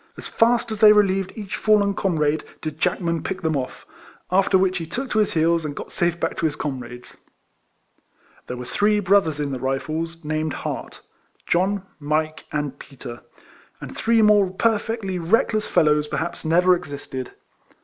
As fast as they relieved each fallen comrade did Jack man pick them off; after which he took to his heels, and got safe back to his com rades. There were three brothers in the Rifles, named Hart, — John, Mike, and Peter, — and three more perfectly reckless fellows, per haps, never existed.